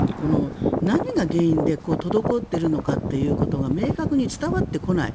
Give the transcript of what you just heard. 何が原因で滞っているのかというのが明確に伝わってこない。